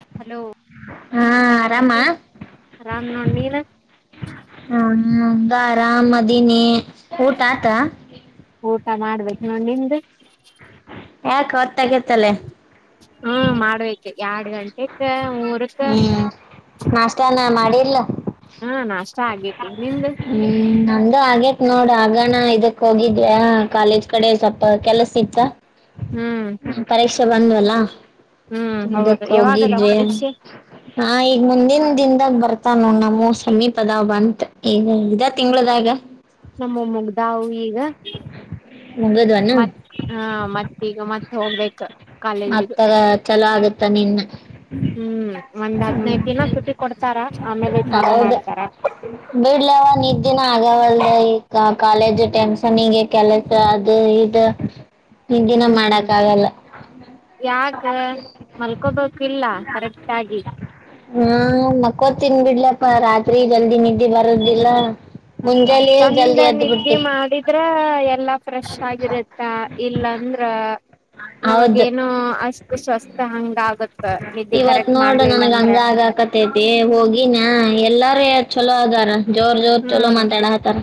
[unintelligible] Hello ಹಾ ಏನ್ ಆರಾಮ ಮಾಡಾಕತ್ತಿ ಆರಾಮ್ ನೋಡ್ ನೀನ ಹ್ಮ್ ದಾರಮದಿನಿ ಊಟ ಆತ ಊಟ ಮಾಡ್ಬೇಕು ನೋಡ್ ನಿಂದ್ ಯಾಕ ಹೊತ್ತಗತ್ತಲ ಹ್ಮ ಮಾಡ್ಬೇಕ್ ಯಾಡ್ ಗಂಟೆಕ ಮುರುಕ ಹ್ಮ್ ನಾಷ್ಟಾನ ಮಾಡಿ ಇಲ್ಲ ಆಗಿ ಹ್ಮ್ ನಾ ನಂದು ಆಗೇತ್ ನೋಡ ಆಗಣ ಇದಕ್ ಹೋಗಿದ್ದ ಕಾಲೇಜ್ ಕಡೆ ಸ್ವಲ್ಪ ಕೆಲಸ ಇತ್ತ ಹ್ಮ್ ಬಂದ್ವಲ ಹ್ಮ್ [unintelligible] ಹೌದು ಅದಕ್ ಯಾವಾಗದಾವ್ ಹೋಗಿದ್ವಿ ಪರೀಕ್ಷೆ [unintelligible] ಹಾ ಈಗ್ ಮುಂದಿನ್ ದಿಂದಗ ಬರ್ತಾವ್ ನೋಡ್ ನಮೂವ್ ಸಮೀಪದ ಬಂತ್ [unintelligible] ನಮೂವ್ ಮುಗ್ದಾವ್ ಈ [unintelligible] ಮುಗದ್ವನ ಮ ಹಾ ಮತ್ ಈಗ ಮತ್ ಹೋಗ್ಬೇಕ ಕಾಲೇಜಿಗ ಮತ್ತದ ಚಲೋ ಆಗುತ್ತ ನಿನ್ನ ಹ್ಮ್ ಒಂದ್ [unintelligible] ಹ್ಮ್ ಹದ್ನೈದ್ ದಿನ ಸುಟಿ ಕೊಡ್ತಾರ ಆಮೇಲೆ ಚಾಲು ಹೌದ್ ಮಾಡ್ತಾರ [unintelligible] ಬಿಡ್ಲವ ನಿದ್ದಿನ ಆಗವಲ್ದ ಕ ಕಾಲೇಜ್ ಟೆನ್ಷನ್ ಗೆ ಕೆಲ್ಸ ಅದು ಇದು ನಿದ್ದೀನು ಹ್ಮ್ ಹ್ಮ್ ಮಾಡಕ್ ಆಗಲ್ಲ. ಯಾಕ ಮಲ್ಕೋಬೇಕು ಇಲ್ಲ [unintelligible] ಕರೆಕ್ಟ್ ಆಗಿ ಹ್ಮ ಮಕ್ಕೊತಿನ್ ಬಿಡ್ಲಪ್ಪ ರಾತ್ರಿ ಜಲ್ದಿ ನಿದ್ದಿ ಬರುದಿಲ್ಲ ಅಲ್ಲ ಮುಂಜಾಲೆ ಜಲ್ದಿ ಚಂದ ಎದ್ದ್ ನಿದ್ದೆ ಬಿಡ್ತಿವಿ ಮಾಡಿದ್ರ ಎಲ್ಲಾ ಫ್ರೆಶ್ ಆಗಿರುತ್ತಾ ಇಲ್ಲ ಅಂದ್ರ ನಮಗೆ ಹೌದು ಏನೋ ಅಷ್ಟು ಸ್ವಸ್ಥ ಹಂಗ ಆಗತ ನಿದ್ದಿ ಇವತ್ ಕರೆಕ್ಟ್ ನೋಡು ಮಾಡ್ಲಿಲ್ಲ ನನಗ್ ಅಂದ್ರ ಹಂಗ [unintelligible] ಏ ಚಲೋ ಅದರ ಜೋರ್ ಜೋರ್ ಚಲೋ ಹ್ಮ್ ಮಾತಾಡ ಹತಾರ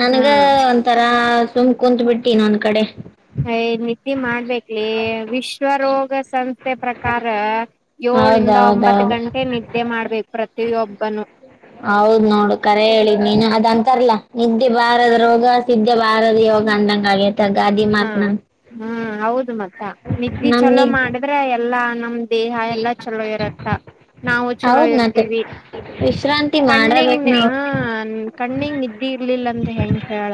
ನನ್ಗ ಹ್ಮ್ ಒಂತರ ಸುಮ್ ಕುಂತ್ ಬಿಟ್ಟಿನ್ ಒಂದ್ ಕಡೆ. ಹೆ ನಿ ನಿದ್ದೆ ಮಾಡ್ಬೇಕಕ್ಲಿ ವಿಶ್ವ ರೋಗ ಸಂಸ್ಥೆ ಪ್ರಕಾರ ಯೋಳಿಂದ ಒಂಬತ್ ಹೌದೌದೌದು ಗಂಟೆ ನಿದ್ದೆ ಮಾಡ್ಬೇಕ ಪ್ರತಿಯೊಬ್ಬನು. ಹೌದ್ ನೋಡ್ ಖರೆ ಹೇಳಿದ್ ನೀನ ಅದಂತರಲ ನಿದ್ದೆ ಬಾರದ್ರೋಗ ಸಿದ್ದೆ ಬಾರದ ಯೋಗ ಅಂದಂಗ. ಆಗೈತ ಗಾದಿ ಹ್ಮ ಮಾತ್ ನನ್ ಹ್ಮ ಹೌದು ಮತ್ತ ನಿದ್ದಿ ನಮ್ ಚಲೋ ನಿದ್ ಮಾಡಿದ್ರೆ ಎಲ್ಲಾ ನಮ್ ದೇಹ ಎಲ್ಲಾ ಚಲೋ ಇರತ್ತ ನಾವು ಚಲೋ ಹೌದ್ ಮತ್ತೆ ಇರ್ತೀವಿ [unintelligible] ವಿಶ್ರಾಂತಿ ಕಣ್ಣಿಗ್ ಮಾಡಬೇಕ್ ನಾವು ಹ ಕಣ್ಣಿಗ್ ನಿದ್ದೆ ಇರ್ಲಿಲ್ಲ ಅಂತ ಹೆಂಗ ಹೇಳ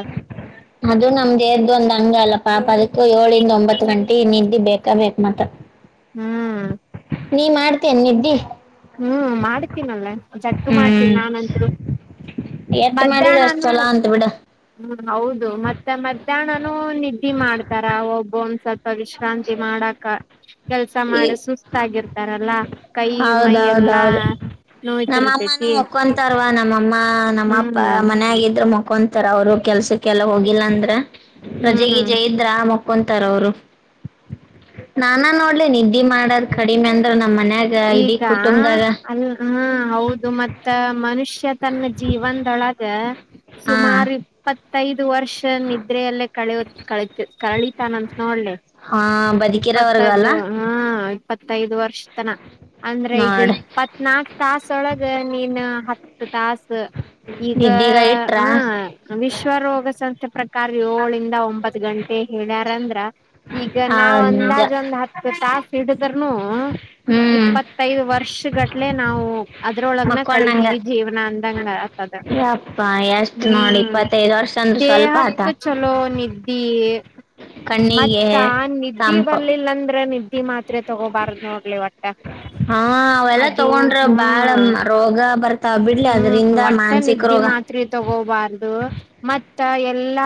ಹಂಗಲ್ಲ ಪಾಪ ಅದಕ್ಕ ಯೋಲಿಂದ ಒಂಬತ್ತು ಗಂಟೆ ನಿದ್ದಿ ಬೇಕ ಬೇಕ್ ಮತ್ತ. ಹ್ಮ್ ನೀ ಮಾಡ್ತಿಯ ನಿದ್ದಿ. ಹ್ಮ್ ಮಾಡ್ತೀನಲ್ಲ ಜಗ್ ಮಾಡ್ತೀನಿ ಹ್ಮ್ ನಾನಂತ್ರು ಎಷ್ಟ್ ಮಾಡಿದ್ರ ಅಷ್ಟ್ ಮದ್ಯಾಣನು ಚಲೋ ಅಂತ ಬಿಡ ಹ್ಮ್ ಹೌದು ಮತ್ತೆ ಮಧ್ಯಾಹ್ನನನು ನಿದ್ದಿ ಮಾಡ್ತಾರ ಒಬ್ಬೊನ್ಸ್ ವಿಶ್ರಾಂತಿ ಮಾಡಾಕ ಕೆಲ್ಸ ಈ ಮಾಡಿ ಸುಸ್ತಾಗಿರ್ತಾರಲ್ಲಾ ಕೈಯು ಹೌದೌದೌದು ನಮ್ಮಅಮ್ಮನು ಮಕ್ಕೊಂತಾರವಾ ನಮ್ಮಮ್ಮ ನಮ್ಮಪ್ಪ ಹ್ಮ್ ಮನ್ಯಾಗಿದ್ರು ಮ ಕೊಂತರ ಅವ್ರುವ್ರ ಕೆಲ್ಸಕ್ಕೆಲ್ಲ ಹೋಗಿಲ್ಲ ಅಂದ್ರ ಹ್ಮ್ ರಜೆಗೀಜೆ ಇದ್ರ ಮ ಕೊಂತಾರ್ ಅವ್ರು ನಾನ ನೋಡಿ ನಿದ್ದೆ ಮಾಡದ್ ಕಡಿಮೆ ಅಂದ್ರೆ ನಮ್ಮ ಮನೆ ಈಗ ಅ ಹಾ ಹೌದು ಮತ್ತ ಮನುಷ್ಯ ತನ್ನ ಜೀವನ್ದೊಳಗ ಹಾ ಸುಮಾರ ಇಪ್ಪತ್ ತೈ ದು ವರ್ಷ ನಿದ್ರೆಯಲ್ಲೇ ಕಳೆಯು ಕಳಿತ್ವ್ ಕಳಿತಾನಂತ್ ನೋಡ್ಲೆ ಹಾ ಬದುಕಿರೋವರ್ಗು ಅಲ್ಲ ಇಪ್ಪತ್ತೈದು ಹಾ ಇ ಇಪ್ಪತೈದ್ ವರ್ಶ್ ಅಂದ್ರೆ ಈಗ ನೋಡ್ ಇಪ್ಪತ್ನಾಕು ತಾಸೊಳಗ ನೀನು ಹತ್ತು ತಾಸ ಈಗ ನಿದ್ದಿಗ ಇಟ್ರ ಹ ವಿಶ್ವರೋಗ ಸಂತ ಕಾರ್ ಏಳಿಂದ ಒಂಬತ್ ಗಂಟೆ ಹೇಳ್ಯಾರಂದ್ರ ಈಗ ನಾವ್ ಹೌದ್ ನಿಜ ಒಂದಾಜ್ ಒಂದ್ ಹತ್ತು ತಾಸ್ ಹಿಡಿದ್ರುನು ಹ್ಮ್ ಇಪ್ಪತ್ತೈದು ವರ್ಷಗಟ್ಲೆ ನಾವು ಅದ್ರೊಳಗನ ಮಕ್ಕೊಂಡಂಗ ಕಳಿತೀವಿ ಜೀವನ ಅಂದಂಗ ಆತದ ಯಪ್ಪಾ ಎಷ್ಟ್ ನೋಡ್ ಹ್ಮ್ ಇಪ್ಪತ್ತೈದ್ ವರ್ಷ ಅಂದ್ರ ಸ್ವಲ್ಪ ದೇಹಕ್ ಆತ ಚಲೋ ನಿದ್ ಈ ಕಣ್ಣಿಗೆ ಮತ್ತ ನಿದ್ದೆ ತಂಪು ಬರ್ಲ್ಲಿಲ್ಲಂದ್ರೆ ನಿ ದ್ದಿ ಮಾತ್ರೆ ತಗೋಬಾರ್ದ ನೋಡ್ಲೆ ಒಟ್ ಟ್ಟ ಹಾ ಅವೆಲ್ಲ ತಗೊಂಡ್ರ ಬಾಳ ರೋಗ ಬರ್ತಾವ ಬಿಡ್ಲಿ ಹ್ಮ್ ಅದ್ರಿಂದ ಮಾನಸಿಕ ರೋಗ ದು ಮತ್ತ ಎಲ್ಲಾ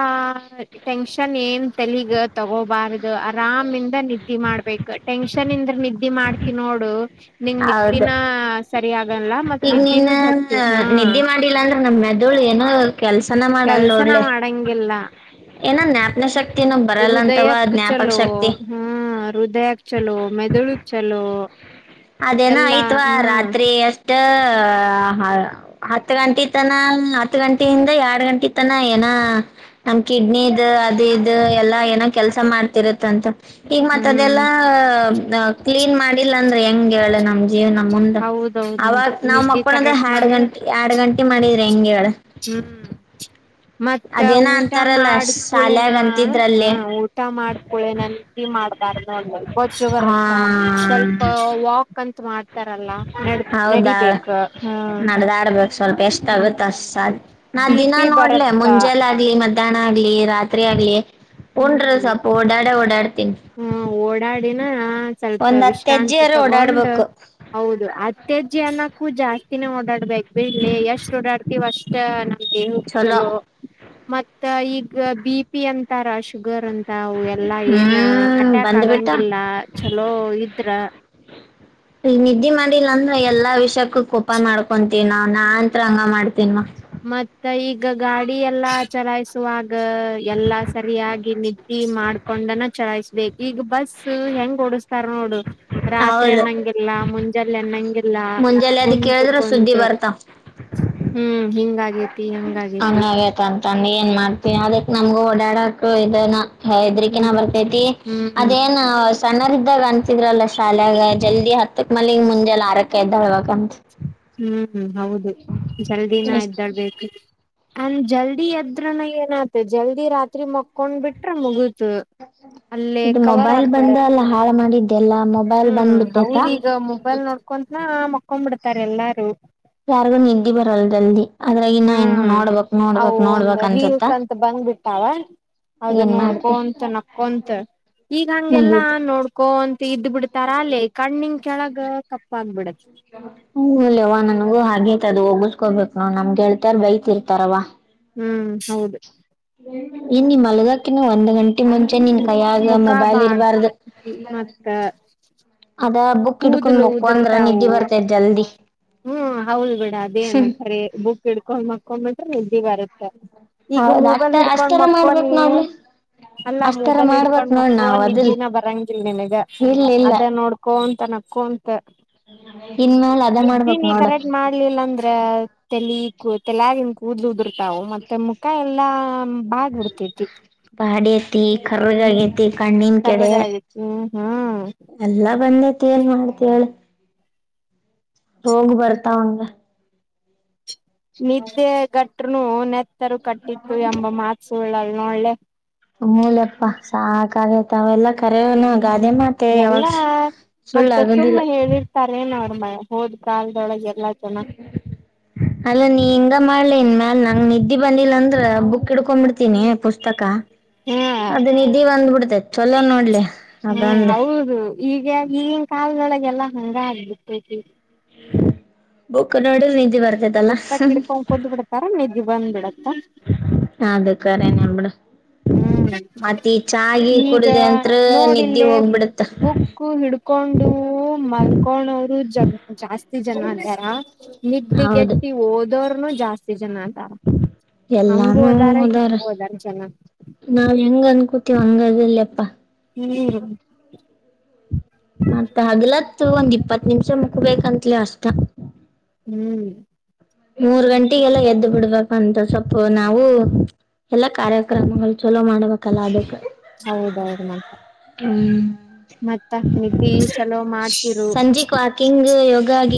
ಟೆನ್ಷನ್ ಏನ್ ತಲಗ್ ತಗೋಬಾರದು ಆರಾಮಂದ ನಿದ್ದೆ ಮಾಡ್ಬೇಕು ಟೆನ್ಷನ್ ಇಂದ್ರ ನಿದ್ದೆ ಮಾಡ್. ಿ ನೋಡು ನಿಂಗ್ ಹೌದು ನಿದ್ದಿನ ಸರಿ ಆಗಲ್ಲ ಮತ್ ಈಗ ನೀನ್ ನಿದ್ದಿನೂ ಜಗ್ತಿ ಹಾ ನಿದ್ದೆ ಮಾಡಿಲ್ಲ ಅಂದ್ರೆ ನಮ ಮೆದುಳು ಏನೋ ಕೆಲ್ಸನ ಮಾಡಲ್ ಕೆಲ್ಸನ ನೋಡ್ಲೆ ಮಾಡಂಗಿಲ್ಲ ಏನೋ ಜ್ಞಾಪನ ಶಕ್ತಿನೂ ಬರಲ್ಲ ಅಂತವ ಹೃದಯಕ್ ಜ್ಞಾಪಕ ಚಲೋ ಶಕ್ತಿ ಹಾ ಹೃದಯಕ್ ಚಲೋ ಮೆದಳುಕ್ ಚಲೋ ಹ ಅದೇನ ಆಯ್ತ್ವಾ ರಾತ್ರಿ ಅಷ್ಟ ಹತ್ ಗಂಟೆ ತನ ಹತ್ ಗಂಟೆಯಿಂದ ಎರಡ್ ಗಂಟೆ ತನ ಏನ ನಮ ಕಿಡ್ನಿ ಅದು ಇದು ಎಲ್ಲಾ ಏನೋ ಕೆಲ್ಸ ಮಾಡ್ತಿರತ್ತಂತ ಈಗ ಮತ್ತತ್ ಹ್ಮ್ ಅದೆಲ್ಲ ಕ್ಲೀನ್ ಮಾಡಿಲ್ಲ ಅ ಹೆಂಗ ಹೇಳೆ ನಮ್ಗೆ ಜೀವ್ನ ಮುಂದ ಹೌದೌದು ಅವಾಗ ಮತ್ತ ನಾವ್ ನಿದ್ದೆ ಮಕ್ಕಳದ ಕರೆಕ್ಟ್ ಎರಡ್ ಮಾಡಿರ ಗಂಟೆ ಎರಡ್ ಗಂಟೆ ಮಾಡಿದ ರಂಗಳ ಹ್ಮ್ ಮತ್ತ ಅದೇನ ಊಟ ಅಂತಾರಲ್ಲ ಮಾಡಿದ್ಕೂಳೇನ ಶಾಲ್ಯಾಗ ಹ ಅಂತಿದ್ರಲ್ಲಿ ಊಟ ಮಾಡಕೂಳೇನಟ ಮಾಡ್ಬಾರ ನ ಗಜು ಬರತ್ತ ಸ್ವಲ್ಪ ವಾಕ್ ಅಂತ ಮಾಡ ಹೌದಾ ಹಾ ನಡ್ದ ಆಡ್ಬೇಕು ಸ್ವಲ್ಪ ಎಷ್ಟ ಆಾಗುತ್ತ [unintelligible] ನಾ ಬಿ ದಿನ ಪಿ ನೋಡ್ಲೆ ಬರತ್ತಾ ಮುಂಜೆಲ್ಲ ಆಗ್ಲಿ ಮತ್ತೆ [inaudible] ರಾತ್ರಿ [unintelligible] ಆಗ್ಲಿ ಉಂಡ್ರ ಹ್ಮ್ ಸ್ವಲ್ಪ ಓಡಾಡ ಓಡಾಡ್ತೀವಿ ದಿನ ಸ್ವಲ್ಪ ವಿಶ್ರಾಂತಿ ತಗೊಂಡ್ ಓಡಾಡ್ಬೇಕು ಹೌದು ಅತ್ಯಜೆ ಅನ್ನಕ್ಕೂಜಾಸ್ ಇನ್ನ [unintelligible] ಬೆಳ್ಳಿ ಎಷ್ಟು ಡಾಡ್ತಿೀವ ಅಷ್ಟ ನಮ್ಗೆ ಹ ಚಲೋ ಮತ್ತ [inaudible] ಈಗ ಬಿ ಪಿ ಅಂತಾರಾ ಶುಗರ್ ಅಂತ ತಾವು ಎಲ್ಲಾ ಏನ್ ಹ್ಮ್ ಅಟ್ಯಾಕ್ ಬಂದ್ಬಿಟ್ಟ ಆಗಂಗಿಲ್ಲ ಚಲೋ ಇದ್ರ ಈಗ ನಿದ್ದೆ ಮಾಡಿಲ್ಲ ಅಂದ್ರ ಎಲ್ಲಾ ವಿಷಯಕ್ಕೂ ಕೋಪ ಮಾಡ ಕೊಂತೀವಿ ನ ನಾಂತ್ರ ಹಂಗ ಮಾಡ್ತನ್ವ ಮತ್ತ ಈಗ ಗಾಡಿ ಎಲ್ಲಾ ಚುನಾಯಿಸ [unintelligible] ಎಲ್ಲಾ ಸರಿಯಾಗಿ ನಿದ್ದಿ ಮಾಡ್ಕೊಂಡನ ಚಲಾಯಿಸಬೇಕು ಈಗ ಬಸ್ ಹೆಂಗ್ ಓಡಿಸ ಸರ್ ನೋಡು ರಾತ್ರಿ ಹೌದು ಅನ್ನಂಗಿಲ್ಲ ಮುಂಜಾಲೆ ಅನ್ನಂಗಿಲ್ಲ ಮುಂಜಾಲೆ ಅದ ಕುಂತು ಕೇಳಿದ್ರ ಸುದ್ದಿ ಕುಂತು ಬರ್ತಾವ್ ಹ್ಮ್. ಹಿಂಗಾಗಿ ಹಂಗ್ಯಾಗಂತತಾನಿ ಏನ್ ಮಾಡ್ತಿಯ ಅದಕ್ ನಮ್ಗ ಓಡಾಡ ಹೌದಾನ ಹೆದ್ರಕಿನ ಹ್ಮ್ ಬರ್ತೈತಿ ಹ್ಮ್ ಅದೇನ್ ಆಸ್ ಸಣ್ಣೋರ್ ಇದ್ದಾಗ ಅನ್ಸಿದ್ರಲ್ಲ ಶಾಲ್ಯಾಗ ಜಲ್ದಿ ಹತ್ತಕ್ ಮಲಗ್ ಮುಂಜಲೆ ಆರಕ ಎದ್ದೇಳ್ಬೇಕಂತ್ ಹ್ಮ್ ಹೌದು ಜಲ್ದಿನ ಎದ್ದಾಳ್ಬೇಕು. ಅಂದ್ ಜಲ್ದಿ ಎದ್ರನ ಏನಾತು ಜಲ್ದಿ ರಾತ್ರಿ ಮಕೊಂಡ್ ಬಿಟ್ರ ಮುಗಿ ಇದು ಮೊಬೈಲ್ ಆಗ್ಬಿಡತ್ ಬಂದೆಲ್ಲ ಅಲ್ಲ ಹಾಳು ಮಾಡಿದ್ದೆಲ್ಲ ಮೊಬೈಲ್ ಹ್ಮ್ ಬಂದ್ ಬಿಟ್ಟೈತ. ಕೊಂಬಿಡ್ತಾ ಎಲ್ಲಾರಿ ಯಾರಿಗೂ ನಿದ್ದಿ ಬರಲ್ ಜಲ್ದಿ. ಅದ್ರಾಗ ಇನ್ನ ಏನ್ ಹ್ಮ್ ನೋಡ್ಬೇಕ್ ಅವು ನೋಡ್ಬೇಕ್ ಒಂದ ನೋಡ್ಬೇಕ್ ಅನ್ಸತ್ತ ರೀಲ್ಸ್ ಅಂತ ಬಂದ್ಬಿಟ್ಟಾವ. ಅದು ಏನ್ ಮಾಡ್ತಿ ನೋಡ್ಕೊಂತ ನಕ್ಕೊಂತ ಈಗ್ ಹಂಗೆಲ್ಲಾ ಮುಗೀತು ನೋಡ್ಕೊ ಕೋನ್ ಇದ್ ಬಿಡ್ತಾರ ಅಲ್ಲಿ ಕಣ್ಣಿನ್ ಕೆಳಗ ಕಪ್ಪಾಗ್ಬಿಡತ್ ಹೂಲ್ಲವ ನನ್ಗೂ ಹಾಗೈತದು ಓಗಿಸ್ಕೋಬೇಕು ನೋಡ್ ನಮ್ಗೆಳ್ತಾರ್ ಬೈತಿರ್ತಾರವ್ವ. ಹ್ಮ್ ಹೌದು ಇನ್ನಿ ಮಲ್ಗಕಿನ ಒಂದ್ ಗ ಇನ್ ಮುಂಚೆ ನಿನ್ ಕೈಯಾಗ ಮುಖ ಮೊಬೈಲ್ ಇರ್ಬಾರ್ದ ಬಾಡ್ತಿ [unintelligible] ಮತ್ತ ಅದ ಬುಕ್ ಹಿಡ್ಕೊಂಡ್ ಕೂದಲು ಮಕ್ಕೊಂಡ್ರ ನಿದ್ದೆ ಬರ್ತೈತೆ ಜಲ್ದಿ. ಹ್ಮ ಹೌದ್ ಬಿಡ ಅದೇನ್ ಕರಿ ಬುಕ್ ಇಡ್ಕೊಂಡ್ ಮಕ್ಕೊ ಬಿ ನಿದ್ದಿ ಬರುತ್ತ ಈಗ್ ಹೌದ ಅಷ್ಟ ಮೊಬೈಲ್ ಹಿಡ್ಕೊಂಡ್ ಅಷ್ಟರ ಮಕ್ಕೋ ಮಾಡ್ಬೇಕ್ ನೀ ನೋಡ್ಲಿ [unintelligible] ಅಲ್ಲಾ ಅಷ್ಟರ ಮೊಬೈಲ್ ಹಿಡ್ಕೊಂಡ ಮಾಡ್ಬೇಕ್ ನೋಡ್ ಮಕ್ಕೋ ನಾವ್ ಇದ ಅದಲ್ ದಿನ ಬರಂಗಿಲ್ ನಿನಗ ಇಲ್ಲ ಇಲ್ಲ ಅದ ನೋಡ್ಕೊಂಡ್ ತನಕ್ಕುಅಂತ ಇನ್ಮೇಲ್ ಅದ ನಿದ್ದಿ ಮಾಡ್ಬೇಕ್ ನೀ ನೋಡ ಕರೆಕ್ಟ್ ಮಾಡ್ಲಿಲ್ಲ ಅಂದ್ರೆ ತಲಿಕ್ಕುತಲಾಗಿನ್ ಕೂದ್ಲು ಉದುರ್ ತಾವು ಮತ್ತೆ ಮುಖ ಎಲ್ಲಾ ಬಾಡ್ ಬಿಡ್ತೈತಿ [unintelligible] ಬಾಡಿ ಐತಿ ಹ್ಮ ಕರ್ರಗಗೈತಿ ಕಣ್ಣಿನ್ [unintelligible] ಕೆಡೆ ಕರಗ ಆಗೈತಿ ಹ್ಮ್ ಹ್ಮ್ ಹ ತ್ತೇನ್ ಮಾಡ್ತೇಲ್ ರೋಗ್ ಬರ್ತಾವ ಹಂಗ ನಿದ್ದೆ ಗ ಟ್ರೂ ನ್ಯ ಸ್ರು ಕಟ್ಟಿತ್ತು ಎಂಬ ಮಾತ್ ಸುಳ್ ನಾಳೆ ಅಮೂಲ್ಯಪ್ಪ ಸಾಕಾಗೈತ್ ಅವೆಲ್ಲ ಹ್ಮ್ ಎಲ್ಲಾ ಸುಳ್ಳ ಮತ್ತೆ ಆಗೋದಿಲ್ಲ ಸುಮ್ನ್ ಹೇಳಿರ್ತಾರೆೇ ನೋಡ್ ಮ ಹೋದ್ ಕಾಲ್ದೊಳಗೆ ಅಲ್ಲ ನೀ ಇಂಗ ಮಾಡ್ಲ ಇನ್ ಮ್ಯಾ ನಂಗ್ ನಿದ್ದಿ ಬಂದಿಲ್ಲ ಅಂದ್ರೆ ಬುಕ್ ಹಿಡ್ಕೊಂಡ್ಬಿಡ್ ತಿನಿ ಪುಸ್ತಕ, ಹ್ಮ್ ಅದ್ ನಿದ್ದಿ ಬಂದ್ಬಿಡ್ತೆ ಚಲೋ ನೋಡ್ಲಿ, ಆ ಹ್ಮ್ ಬಂದ್ ಹೌದು ಈಗ ಈಗಿನ ಕಾಲದೊಳಗೆಲ್ಲಾ ಹಂಗ ಆಗ್ಬಿಟ್ಟೈತಿ. ಬುಕ್ ನೋಡದ್ರೆ ನಿದ್ದೆ ಬರ ಪುಸ್ತಕ್ ಇಡ್ಕೊಂಡ್ ಕುಂತ್ ಬಿಡ್ತಾರ, ನಿದ್ [unintelligible] ಬಂದ್ ಬಿಡತ್ ಅದ್ ಕರೇನೇ ಬಿಡು ಹ್ಮ್ ಮತ್ ಈ ಚಾ ಗಿ ಈಗ ಕುಡ್ದೆ ಅಂತ್ರ ನಿದ್ದಿ ನೋಡಿಲ್ಲೇ ಹೋಗ್ಬಿಡತ್ತ ಬುಕ್ಕು ಹಿಡ್ಕೊಂಡು ಮಲ್ಕೋಣೋರು ಜ ಜಾಸ್ತಿ ಜನ ಅದಾರ ಹೌದು ನಿದ್ದ್ದಿಗೆಟ್ಟಿ ಓದೋರ್ನು ಜಾಸ್ತಿ [unintelligible] [unintelligible] ಹಂಗು ಅದಾರ ಹಿಂಗು ಅದಾರ ಜನ. ನಾವ್ ಹೆಂಗ್ ಅನ್ಕೋತೀವ್ ಹಂಗ ಅದಲ್ ಯಪ್ಪಾ. [unintelligible] ಮತ್ತ ಹಗಲತ್ತು ಒಂದ್ ಇಪ್ಪತ್ ನಿಮಿಷ ಮಕ್ಬೇಕಂತ್ಲೆ ಅಷ್ಟ. ಹ್ಮ್ ಮೂರ್ ಗಂಟೆಗೆಲ್ಲ ಎದ್ದು ಬಿಡ್ಬೇಕಂತ ಸೋಪ್ಪ್ ನಾವು ಎಲ್ಲಾ ಕಾರ್ಯಕ್ರಮಗಳು ಚಲೋ ಮಾಡ್ಬೇಕಲ್ಲ ಅದಕ್ಕ. ಹೌದೌದು ಮತ್ತ. ಹ್ಮ್ ಮತ್ತ ನಿದ್ದಿ ಚಲೋ ಮಾಡ್ತಿರು.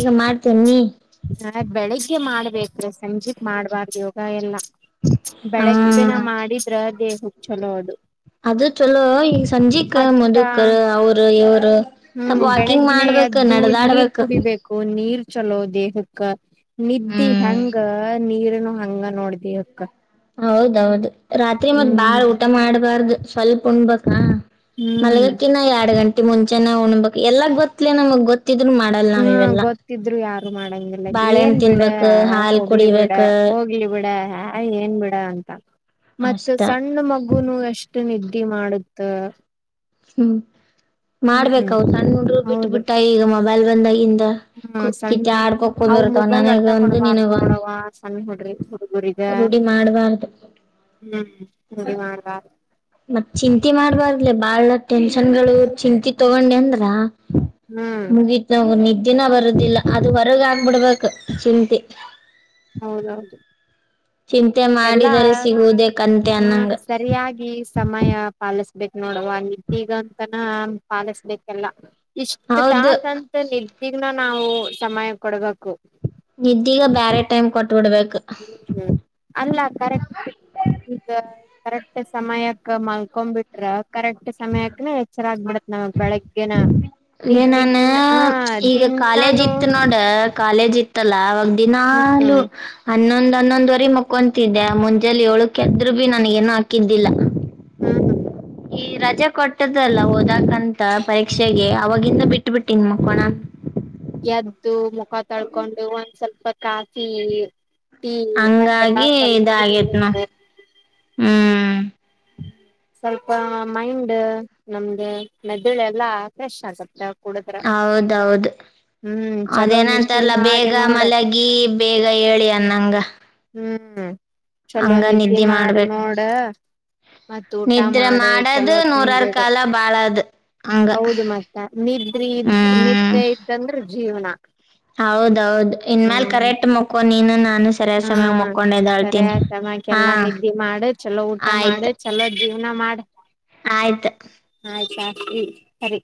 ಈಗ ಮಾಡ್ತೇನ್ ನೀ ಹಾ ಬೆಳಿಗ್ಗೆ ಮಾಡ್ ಬೇಕ್ರ ಸಂಜಿಕ್ ಮಾಡ್ಬಾರ್ದು ಯೋಗ ಎಲ್ಲ ಹಾ ದೇಹಕ್ ಚಲೋ ಅದು ಅದು ಚಲೋ ಈ ಸಂಜಿಕ ಮತ್ತ ಮದುಕರ್ ಅವರು ಇವ್ರ್ ಹ್ಮ್ ಬೆಳಗ್ಗಿನೆ ಎದ್ದು ನೀರ್ ನಡದಾಡ್ಬೇಕ ಕುಡಿಬೇಕು ನೀರ್ ಚಲೋ ದೇಹಕ್ಕ ನಿದ್ದಿ ಹೆಂಗ ನೀರ್ನು ಹ್ ಹಂಗ ನೋಡ್ದಿ ಅಕ್ಕ ಹೌದೌದು ರಾತ್ರಿ ಮತ್ ಬಾಳ ಊಟ ಮಾಡ್ಬಾರ್ದು. ಸ್ವಲ್ಪ್ ಉಣ್ ಬೇಕ ಹ್ಮ್ ಮಲ್ಲಿಗಕ್ಕನ್ನ ಯಾಡ್ ಗಂಟ್ ಮುಂಚೆನೆ ಉಣ್ಬೇಕ್ ಎಲ್ಲಾ ಗೊತ್ ಲೆ ನಮಗ್ ಗೊ ಹ್ಮ ಗೊತ್ತಿದ್ರು ಯಾರು ಮಾಡಂಗಿಲ್ಲ ಬಾಳೆಹಣ್ ಏನ್ ಬಿಡ ತಿನ್ಬೇಕ ಹಾಲ್ ಹೋಗ್ಲಿ ಬಿಡ ಕುಡಿಬೇಕ ಹೋಗ್ಲಿ ಬಿಡ ಹ ಏನ್ ಬಿಡ ಅಂತ ಮತ್ತ ಅಷ್ಟ ಸಣ್ಣ ಮಗುನು ಎಷ್ ನಿದ್ದಿ ಮಾಡುತ್ತ ಹ್ಮ್ ಹ್ಮ್ ಮಾಡ್ಬೇಕವು ಸಣ್ಣುಡ್ರು ಬಿಟ್ಟು ಹೌದು ಬಿಟ್ಟ ಈಗ ಮ ಮೊಬೈಲ್ ಬಂದ ಈ ಇಂದ ಹ್ಮ ಕುತ್ ಕಿತ್ತ ಸಣ್ಣ ಅವ್ ಆಡ್ಕೋಂದಿರ್ತವ ಮೊಬೈಲ್ ನನಗ ಒಟ್ಟ ಒಂದು ಕೊಡ್ಬಾರ್ದ್ ನಿನಗ ಒಂದು ನೋಡವ ಸಣ್ಣ ಹುಡ್ರಿ ಹುಡುಗುರಿಗ [unintelligible] ರೂಢಿ ಮಾಡ್ಬಾರ್ದು ಹಿಂಗೆ ಮಾಡ್ಬಾರ್ದು [unintelligible] ಮತ್ ಚಿಂತಿ ಮಾಡ್ಬಾರ್ದಲೆ ಬಾಳ. ಟೆನ್ಷನ್ ಗಳು ಚಿಂತಿ ತಗೊಂಡಿಅಂದ್ರ [unintelligible] ಹ್ಮ್ ಮುಗಿತವ ನಿಡ್ ದಿನ ಬರುದಿಲ್ಲ ಅದು ಹೊರಗ ಆಗ್ಬಿಡ್ಬೇಕ್ ಚಿಂತಿ. ಹೌದೌದು [unintelligible] ಚಿಂತೆ ಎಲ್ಲಾ ಮಾಡಿದರೆ ಸಿಗುವುದೇ ಕಂತೆ ಅ ಅನ್ನಂಗ [unintelligible] ಸರಿಯಾಗಿ ಸಮಯ ಪಾಲಿಸ ಬಿಟ್ ನೋಡವ ಇದೀಗ ಅಂತನಾ ಪಾಲಿಸ್ಬೇಕೆಲ್ಲ. ಇಷ್ಟ್ ಹೌದು ತಾಸ್ ಅಂತನೆ [unintelligible] ನಾವೂ ಸಮಯ ಕೊಡ್ಬೇಕು. ನಿದ್ದೀಗ ಬ್ಯಾರೆ ಟೈಮ್ ಕೊಟ್ [unintelligible] ಬೇಕ್. ಹ್ಮ್ ಅಲ್ಲ ಕರೆಕ್ಟ್ ಈಗ ಕರೆಕ್ಟ್ ಸಮಯಕ್ ಮಲ್ಕೊಂಬಿಟ್ರ ಕರೆಕ್ಟ್ ಸಮಯಕ್ಕೆನೆ ಎಚ್ಚರ ಆಗ್ಬಿಡತ್ ನಮಗ್ ಬೆಳಗ್ಗೆನ ನೀ ಏ ದಿನ್ ನಾನ ಹ ಈಗ ಕಾಲೇಜ್ ದಿನಾನು ಇತ್ತು ನೋಡ ಕಾಲೇಜ್ ಇತ್ತಲ್ಲ ಅವಾಗ ದಿನಾಲೂ ಹ್ಮ್ ಹನ್ನೊಂದ್ ಹನ್ನೊಂದುವರೆ ಮಕ್ಕೊಂತಿದ್ದೆ ಮುಂಜಾಲಿ ಏಳಕ್ಕೆದ್ರು ಬಿ ನನ್ಗೇನು ಹಾಕಿದ್ದಿಲ್ಲ. ಹ್ಮ್. ಈ ರಜೆ ಕೊಟ್ಟದಲ್ಲ ಓದಾಕಂತ ಪರೀಕ್ಷೆಗೆ ಅವಾಗಿಂದ ಬಿಟ್ ಹ್ಮ್, ಯದ್ದೂ ಕ ತಳ್ಕೊಂಡು ಒಂದ್ ಸ್ವಲ್ಪ ಕಾಫೀ ಟೀ ಅಂಗೆಲ್ಲಾ ಹಂಗಾಗಿ ಸ್ವಲ್ಪ್ [unintelligible] ಹ್ಮು. ಸ್ವಲ್ಪಾ ಮೈಂಡ್ ಅ ನಮ್ದು ಮೆದುಳ್ ಎಲ್ಲಾ ಫ್ರೆಶ್ [unintelligible] ಹೌದೌದು ಹ್ಮ್ ಚಲೋ ನಿದ್ದಿ ಅದೇನಂತಾರಲ್ಲ ಮಾಡಿ ಬೇಗ ನೋಡ ಮಲಗಿ ಬೇಗ ಏಳಿ ಅನ್ನಂಗ ಹ್ಮ್ ಚಲೋ ಹಂಗ ನಿದ್ದೆ ಮಾಡ್ ಮಾಡ್ಬೇಕು ನೋಡ. ಮತ್ತ್ ಊಟ ನಿದ್ರೆ ಮಾಡು ಮಾಡದು ನೂರಾರ್ ಚಲೋತ್ನಂಗಿಡು ಕಾಲ ಬಾಳದು ಹಂಗ ಹೌದು ಮತ್ತ ನಿದ್ರಿ ಇದ್ ಹ್ಮ್ ನಿದ್ದೆ ಇತ್ತಂದ್ರೆ ಜೀವನ. ಹೌದೌದು ಇನ್ ಮ್ಯಾಲ್ ಹ್ಮ್ ಕರೆಕ್ಟ್ ಮಕ್ಕೋ ನೀನುನ ಹಾ ಸರಿಯ ಹಾ ಸಮಮಾಕ್ಕೆಲ್ಲಾ ನಿದ್ದೆ ಮಾಡು ಚಲೋ ಊಟ ಮಾಡು ಚಲೋ ಜೀವ್ ನ ಮಾಡ್. ಆಯ್ತು ಹ್ಮ್ ಸರಿ.